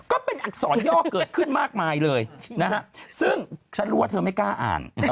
ก็เป็นอักษรย่อเกิดขึ้นมากมายเลยนะฮะซึ่งฉันรู้ว่าเธอไม่กล้าอ่าน